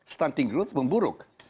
stunting growth memburuk